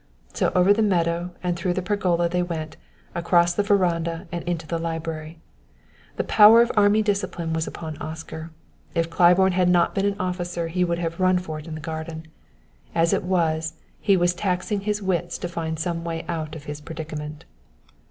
So over the meadow and through the pergola they went, across the veranda and into the library. The power of army discipline was upon Oscar; if Claiborne had not been an officer he would have run for it in the garden. As it was, he was taxing his wits to find some way out of his predicament.